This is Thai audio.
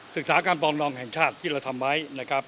ศึกษาการปรองดองแห่งชาติที่เราทำไว้